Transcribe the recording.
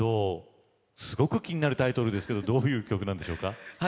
すごく気になるタイトルですけれどどういう曲なんでしょうか？